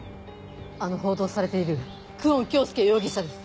あの報道されている久遠京介容疑者です。